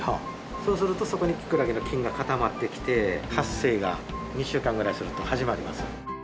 そうするとそこにキクラゲの菌がかたまってきて発生が２週間くらいすると始まります。